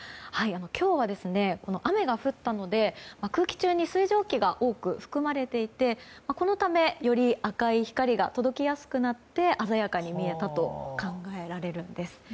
今日は雨が降ったので空気中に水蒸気が多く含まれていてこのため、より赤い光が届きやすくなって鮮やかに見えたと考えられるんです。